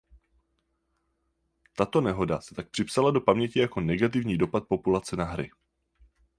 Tato nehoda se tak připsala do paměti jako negativní dopad populace na hry.